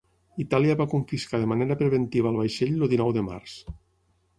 Itàlia va confiscar de manera preventiva el vaixell el dinou de març.